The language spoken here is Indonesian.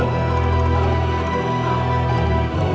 tidak ada yang mau ngopi